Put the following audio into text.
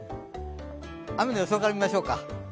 雨の予想から見ましょうか。